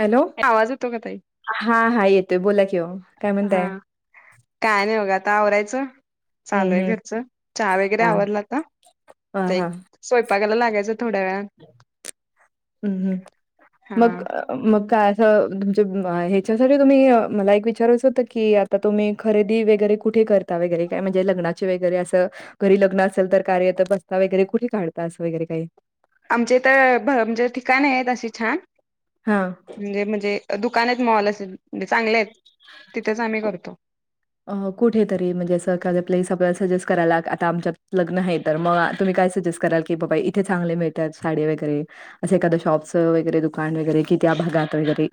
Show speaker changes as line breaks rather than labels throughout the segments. Hello
आवाज येतो का ताई?
हा हा येतोय बोला कि व काय म्हणताय?
हा काय नाही बघा आता आवरायचं
हम्म
चालूय
हम्म
घरचं चहा वगैरे
हा
आवरला आता,
हा
ते एक
हा
स्वयंपाकाला लागायचं थोड्या वेळा
हम्म हम्म मग अ मग काय असं तुमच्या म ह्याच्यासाठी तुम्ही अ मला एक विचारायच होतं की तर तुम्ही खरेदी वगैरे कुठे करता वगैरे काय म्हणजे लग्नाचे वगैरे असं घरी लग्न असेल तर कार्य तर बसता वगैरे कुठ काढता असं वगैरे काही.
आमचे इथं भ म्हणजे ठिकाण आहेत अशी छान.
हा.
म्हणजे म्हणजे दुकान आहेत मॉल असे म्हणजे चांगले आहेत तिथेच आम्ही करतो.
अ कुठेेतरी म्हणजे असा एखादा प्लेस आपल्याला सजेस्ट करायला क आता आमच्यात लग्न आहेत तर म तुम्ही काय सजेस्ट कराल की बाबा इथे चांगले मिळत्यात साडी वगैरे अस एखादा शॉप्सचं वगैरे दुकान वगैरे कि त्या भागात वगैरे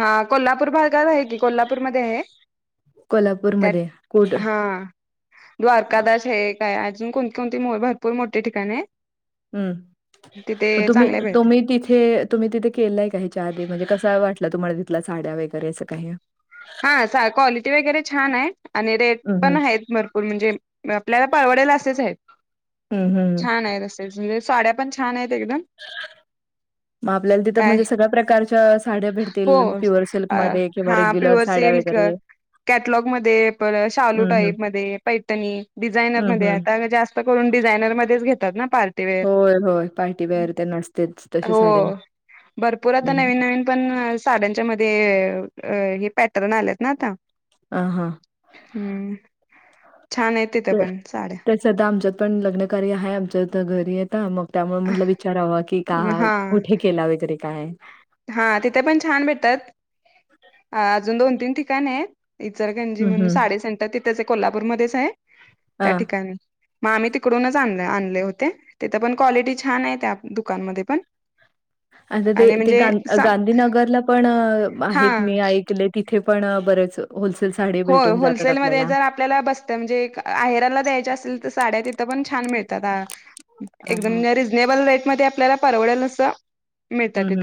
हा कोल्हापूर भागात आहे की कोल्हापूरमध्ये आहे. त्यात
कोल्हापूरमध्ये कुठ
हा द्वारकादास आहे काय आहे अजून कोणकोणती मो भरपूर मोठे ठिकाणं आहेत.
हम्म म तुम्ही
चांगले भेटते
तुम्ही तिथे तुम्ही तिथे केलंय का ह्याच्या आधी म्हणजे कसा वाटला तुम्हाला तिथल्या साड्या वगैरे असं काही?
हा सा क्वालिटी वगैरे छान आहे आणि रेट
हम्म
पण
हम्म
आहेत भरपूर म्हणजे आपल्याला परवडेल असेच आहेत.
हम्म हम्म.
तेच म्हणजे साड्या पण छान आहेत एकदम.
म आपल्याला तिथं
काय
म्हणजे सगळ्या प्रकारच्यास साड्या
हो
भेटतील प्युअर सिल्कमध्ये किंवा
हा
रेग्युलर
प्युअर
साड्या
सिल्क
वगैरे.
कॅटलॉग मध्ये परत शालू
हम्म हम्म
टाईप मध्ये, पैठणी, डिझायनर
हम्म
मध्ये
हम्म
आता जास् त करून डिझायनर मध्येच घेतात ना पार्ट टी वेअर
होय होय पार्टीवेअर ते नसतेच तशा
हो
साड्या
भरपूर आता
हम्म
नवीन-नवीन पण साड्यांच्या मध्ये हे अ पॅटर्न आलेत ना आता.
आ हा
हम्म छान आहेत तिथे पण साड्या.
सध्या आमच्यात पण लग्नकार्य आहे आमच्यात घरी आ ता मग त्यामुळे म्हटलं विचारावं की का हा कुठे केला वगैरे काय?
हा तिथे पण छान भेटत्यात, अजून दोन-तीन ठिकाणं आहे. इचरकरंजी
हम्म
म्हणून
हम्म
साडी सेंटर तिथंच आहे कोल्हापूरमध्येच आहे त्या
हा
ठिकाणी मग आम्ही तिकडूनच आणले आणले होते तिथं पण क्वालिटी छान आहे त्या दुकानमध्ये पण. [inaudible]
आता ते
आणि
ते
म्हणजे
गांध
सम
गांधीनगरला पण
हा
आहेत मी ऐक कले तिथे पण बरेच होलसेल साडी
होय
भेटून जातात
होलसेलमध्ये
आपल्याला.
जर आपल्याला बस्ता म्हणजे आहेराला द्यायच्या असेल तर साड्या तिथं पण छान मिळतात हा.
हा हा.
एकदम रिझनेबल रेटमध्ये आपल्याला परवडेल अस
हम्म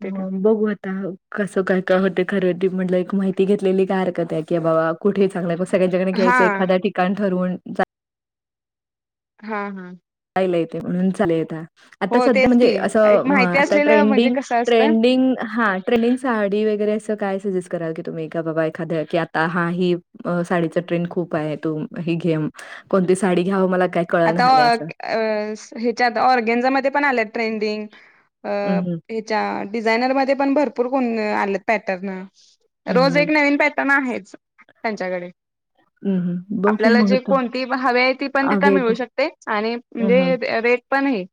हम्म मग बघू आता कसं काय काय होतंय खरेदी म्हटलं एक माहिती घेतलेली काय हरकत आहे की बाबा कुठे चांगल आहे मग सगळ्यांच्याकडनं
हा
घ्यायचं एखाद्या ठिकाण ठरवून
हां हां.
पहायला येतंय म्हणून चालले आता. आता
हो
सध्या
तेच
म्हणजे
की एक
असं हां
माहिती
आता
असलेलं म्हणजे
ट्रेंडिंग
कसं असतं
ट्रेंडिंग हां ट्रेनिंग साडी वगैरे असं काय सजेस्ट कराल की तुम्ही एका बाबा एखाद्या की आता हां ही अ साडीच ट्रेंड खूप आहे तू ही घे कोणती साडी घ्याव मला काय कळना
आता
झालंय असं.
ह्याच्यात ऑर्गेनझमध्ये पण आल्यात ट्रेंडिंग अ
हं, हं.
हेच्या डिझायनर मध्ये पण भरपूर कोण आलेत पॅटर्न.
हं,
रोज एक
हं.
नवीन पॅटर्न आहेच त्यांच्याकडे.
हं, हं. बघू
आपल्याला
मग
जे
तो
कोणती हवे आहे ती पण ति थं
अवेट
मिळू शकते आणि
हं, हं.
म्हणजे रेट पण आहे.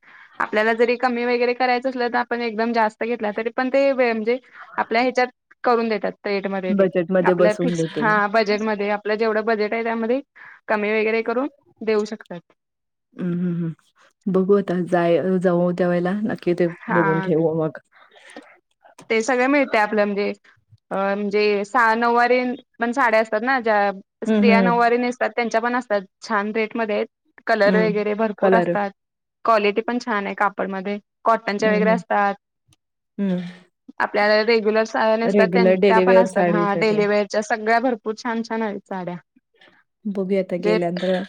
आपल्याला जरी कमी वगैरे करायचं असलं तर आपण एकदम जास्त घेतला तरी पण ते वे म्हणजे आपल्या ह्याच्यात करून देतात रेट मध्ये ते
बजेटमध्ये
आपल्या
बसवून
फिक्स
देते मी.
हां बजे बजेट मध्ये आपलं जेवढं बजेट आहे त्यामध्ये कमी वगैरे करून देऊ शकतात.
हम्म हम्म बघू आता जाय जाऊ त्या वळेला नक्की ते बघून
हा
घेऊ मग
ते सगळ मिळतंय आपलं म्हणजे अ म्हणजे सा नऊवारीे पण साड्या असतात ना ज्या
हं,
स्त्रिया
हं.
नऊवारी नेसतात त्यांच्या पण असतात छान रेटमध्ये आहेत कलर
हं.
वगैरे भरपूर
कलर
असतात. क्वालिटी पण छान आहे कापडमध्ये कॉटनच्या वगैरे असतात.
हम्म.
आपल्याला रेग्युलर साड्या नेसतात त्यां पण
डेलीवेअर
असतात हां
साडीसाठी
डेली वेअर च्या सगळ्या भरपूर छान छान आहेत साड्या.
बघूया आता
जे
गेल्यानंतर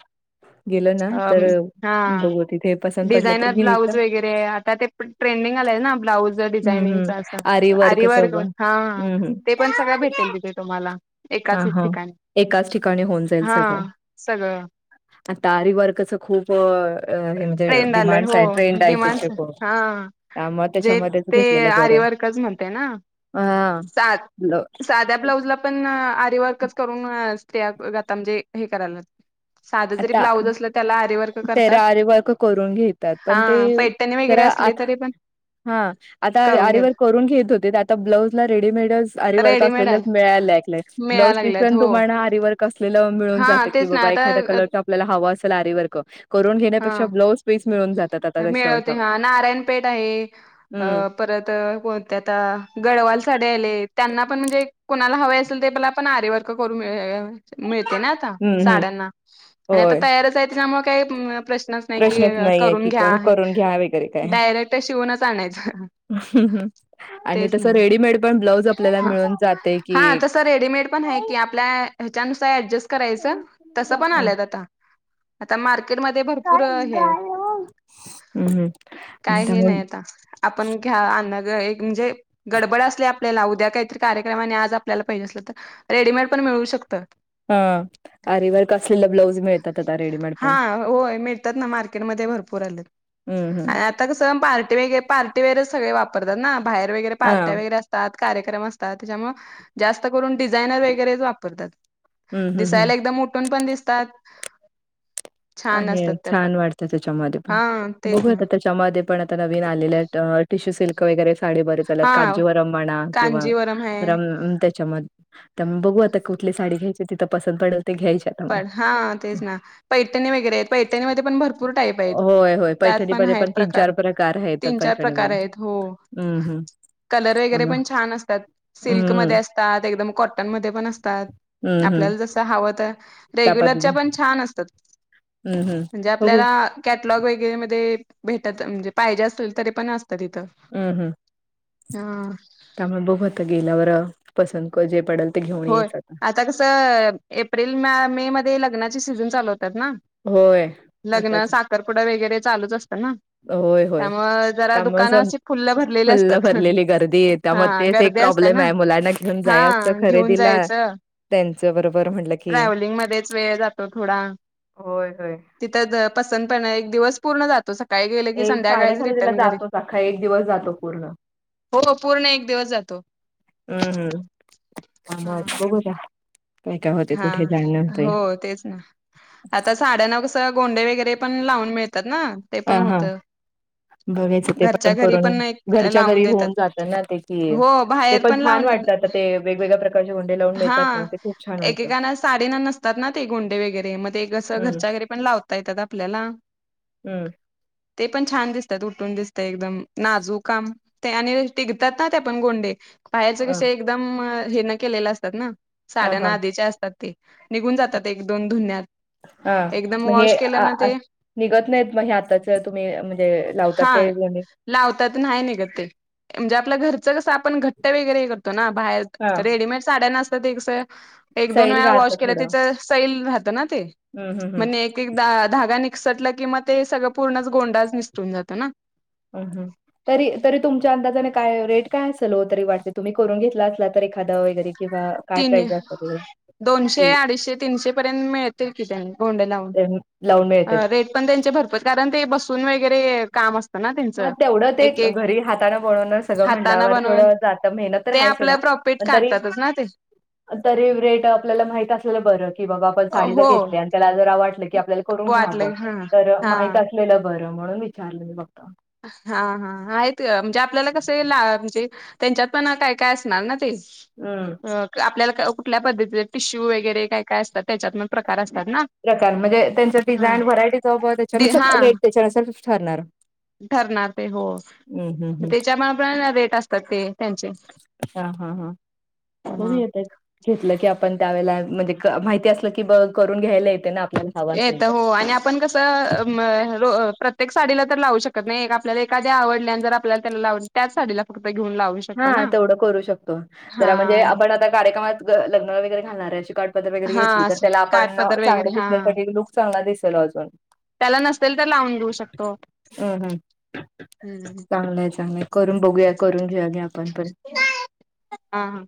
गेल ना तर
अम हा
बघू तिथे पसंत पडलं तर घ्यायचं.
ते आता ते ट्रेंडिंग आलेय ना ब्लाउज
हम्म
डिझाइनिंग
हम्म
चा असा
आरी
आरि
वर्कच
वर्क
बघ
हां
हम्म
ते पण सगळं भेटेल तिथे तुम्हाला.
हां
एकाच
हां
ठिकाणी
एकाच ठिकाणी होऊन जाईल
हा
सगळं
सगळं
आता आरी वर्कच खूप हे म्हणजे
ट्रेंड आलाय
डिमांड्स
हो
आहे ट्रेंड आहे
डिमांडस
त्याचे पण.
हा
त्यामुळ त्याच्या
जे
मध्येच
ते
घेतलेलं बरं.
आरीवर्कच म्हणते ना
हां
सा साध्या ब्लाऊजला पण आरी वर्कच करून स्त्रिया आता म्हणजे हे कराल्यात. साधं जरी ब्लाऊज असलं त्याला आरी वर्क
तेला आरी वर्क करून घेतात
हा
पण ते
पैठणी वगैरे
जरा
असली
आता
तरी पण
हां आता
करून
आरीवर्क
घेत
करून घेत होते आता ब्लाउज ला रेडीमेडच आरीवर्क
रेडीमेड
असलेलाच
आले
मिळायला लागलंय.
मिळायला
ब्लाऊज पिसच
लागल्यात
आणि
हो
तुम्हाला आरीवर्क असलेलं मिळून
हा
जातं की
तेच ना
बाबा
आता
एखाद्या कलरचा आप ल्याला हवा असेल आरीवर्क करून घेण्यापेक्षा
हां
ब्लाऊज पीस मिळून जातात आता तशा
मिळते हां नारायणपेठ आहे अ
हम्म
परत कोणते आता, गडवाल साडे आले, त्यांना पण म्हणजे कोणाला हवे असेल, तेपला पण आरी वर्क करून मिळेल. मिळते ना आता
हम्म हम्म
साड्यांना आणि आता
होय
तयारच आहे, त्याच्यामुळं काही प्रश्नच नाही की
नाहीये
करून
की
घ्या
क
आहे,
करून घ्या वगैरे काय
डायरेक्ट शिवूनच आणायचं.
आणि
तेच
तसं
ना
रेडीमेड पण ब्लाऊज आपल्याला मिळून जातंय की.
तर रेडीमेड पण आहे
हं.
की, आपल्या ह्याच्यानुसार ऍडजस्ट
हं,
करायचं, तसं पण आल्यात आता. आता मार्केटमध्ये भर पूर हे आहे,
हं.
काय हे
त्यामुळे
नाही आता. आपण घ्या, आणा गं एक म्हणजे गडबड असली आपल्याला, उद्या काहीतरी कार्यक्रम आणि आज आपल्याला पाहिजे असलं तर, रेडीमेड पण मिळू शकतं.
हा, आरीवर्क असलेला ब्लाऊज मिळतात आता, रेडीमेड
हा
पण.
होय मिळतात ना मार्केटमध्ये भरपूर आलेत.
हं, हं.
आता कसं पार्टी वगैर पार्टीे वेअरच सगळे वापरतात ना, बाहेर वगैरे पार्ट्या
हां.
वगैरे अस तात कार्यक्रम असतात, त्याच्यामुळं जास्त करून डिझायनर वगैरेच वापरतात.
हं, हं,
दिसायला
हं.
एकदम उठून पण दिसतात, छान
आणि
असतात त्या पण
छान वाटतं त्याच्यामध्ये पण,
हा तेच
बघू
ना
आता त्याच्यामध्ये पण, आता नवीन आलेले आहेत ट टिशू सिल्क वगैरे साडी बरेच आल्यात,
हा
कांजीवरम म्हणा किंवा
कांजीवरम आहे
रम त्याच्यामध् तम बघू आता कुठली साडी घ्यायची, तिथं पसंत पडेल ते घ्यायची आता मग
पण हा, तेच ना पैठणी वगैरे आहेत. पैठणीमध्ये पण भरपूर टाईप आहेत,
होय, होय.
त्यात पण
पैठणीमध्ये
आहेत प्रकार तीन-चार प्रकार आहेत, हो.
हम्म, हम्म.
कलर वगैरे पण छान असतात,
हं,
सिल्कमध्ये अस तात एकदम कॉटनमध्ये पण असतात,
हं, हं.
आपल्याला जसं हवं त
त्या पद्धतीने
रेग्युलरच्या पण छान असतात,
हं, हं.
म्हणजे
बघू
आपल्याला कॅटलॉग वगैरे मध्ये भेटत म्हणजे पाहिजे असेल तरी पण असता तिथं
हम्म, हम्म.
हा.
त्यामुळे बघु आता गेल्यावर पसंत क जे पडलं ते घेऊन
होय
यायचं आता.
आता कसं एप्रिल मा मे मध्ये लग्नाची सीझन चालू होतात ना.
होय. आताच
लग्न, साखरपुडा वगैरे चालूच असतं ना.
होय, होय,
त्यामुळे जरा
त्यामुळं
दुकानं
असं
अशी फुल्ल भरलेली
फूल्ल
असतात
भरलेली गर्दी ये
हा
त्यामूळं तेच एक
गर्दी असते
प्रॉब्लेम
ना
आहे, मुलांना घेऊन
हा
जायाचं खरे
घेऊन
दिला,
जायचं
त्यांचं बरोबर म्हणलं की
ट्रॅव्हलिंग मध्येच वेळ जातो थोडा.
होय, होय.
तिथं द पसंत पण एक दिवस पूर्ण जातो, सा
एक साड्या खरेदीला जातोच, अखा एक दिवस जातो पूर्ण.
हो, पूर्ण एक दिवस जातो.
उम्म, हम्म, मंग अ...
हा.
बघू उद्या.
हा, हो, तेच ना. आता साड्यांना कसं गोंडे वगैरे पण लावून मिळतात ना, ते
ह
पण
हा
होतं.
बघायचं ते
घरच्या
पण
घरी
करून,
एक
घरच्या
लावून
घरी
देतात
होऊन जातं ना, ते की
हो
ते
बाहेर
पण छान
लावून
वाटतं आता. ते वेगवेगळ्या प्रकारचे गोंडे लावून मिळतात ना,
हा.
ते खूप छान वाटतं
एकेकाना साडीना नसतात ना ते गोंडे वगैरे मग ते कसं
हम्म
घरच्या घरी पण लावता येतात आपल्याला.
हम्म.
ते पण छान दिसतात उठून दिसत एकदम नाजूक काम. ते आणि टिकतात ना ते पण गोंडे. बाहेरचे
ह
कसे एकदम हे न केलेल असतात ना
हा हा
साड्याना आधीच्या असतात ते. निघून जातात एक दोन धुण्यात.
हां मग हे निघत नाहीत मग हे आताच तुम्ही म्हणजे
हा
लावतात ते मणी?
लावतात नाही नीघत ते म्हणजे आपल्या घरच कस आपण घट्ट वगैरे करतो ना बाहेर
हां.
रेडीमेड साड्या असत ते कस एक दोन
सैल
वेळा
राहतं
वॉश केल
थोडं.
त्याच सैल राहत ना ते
हं, हं,
मग
हं.
नेक एकदा धागा निसटला कि मग ते सगळ पूर्ण गोंडाच निसटून जात ना.
हम्म हम्म तरी तरी तुमच्या अंदाजाने काय रेट काय असेल हो तरी वाटते तुम्ही करून घेतला असल तर एखादा वगैरे? किंवा काय
तीन
प्राईज असतात वगैरे?
दोनशे,
की
अडीचशे, तीनशे पर्यंत मिळतील की त्यांनी गोंडे लावून
ते लावून मिळतेत.
रेट पण त्यांचे भरपूर कारण ते बसून वगैरे काम अस
हा तेवढ ते घरी हातान बनवणार सगळ म्हणल्यावर थोड जात मेहनत तर आहेच सोडा.
आपला प्रॉफिट
पण तरी
काढतातच ना ते.
तरी रेट आपल्याला माहित असलेल बर की बाबा आपण साडी जर
हो
घेतली आणि त्याला जरा वाटल. की आपल्याला करून घ्याव
वाटलं हा
तर
हा
माहित असलेल बर म्हणून विचारल मी फक्त.
हां हां आहेत म्हणजे आपल्याला कस लां म्हणजे त्यांच्यात पण काय काय असणार ना ते.
हम्म
आपल्याला कुठल्या पद्धतीचे टिशू वगैरे काय काय असतात त्याच्यात पण प्रकार असतात ना.
प्रकार म्हणजे त्यांच
हा
डिझाईन व्हरायटी ज [unintelligible] त्यांच्या
हा
नुसार रेट त्याच्यानुसार ठरणार.
ठरणार ते हो
हम्म हम्म हम्म.
त्याच्यामुळ पण रेट असतात ते. त्यांचे
हां हां हां
ह
बघूयात. घेतल की आपण त्यावेेळेला म्हणजे माहिती असल की ब करून घ्यायला येतय ना. आपल्याला हवं असेल
येत
तर.
हो आणि पण कस मग रोज प्रत्येक साडीला तर लावू शकत नाही आपल्याला एखाद्या आवडली जर आपल्याला त्याला लाव त्याच साडीला फक्त घेऊन लाव
हां तेवढ करू शकतो जरा म्हणजे आपण आता कार्यक्रमात लग्न वगैरे घालणार आहे अशी काठप पदर वगैरे
हा
घेतली तर त्याला
काठ
आपण
पदर
चांगल
वगैरे हा
दिसण्यासाठी एक लुक चांगला दिसेल अजून.
त्याला नसेल तर लावून देेऊ शकतो.
हम्म हम्म
हम्म
चांगलय चांगलय करून बघूया करून घेऊया या आपण पण.
हां